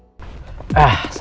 aku mau pergi ke rumah